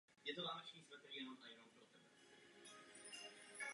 Přesně takové je poslání této zprávy, což vítám!